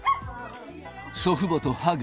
祖父母とハグ。